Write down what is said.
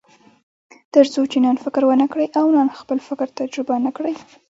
تر څو چې نن فکر ونه کړئ او نن خپل فکر تجربه نه کړئ.